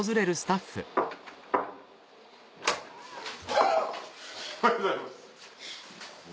フッおはようございます。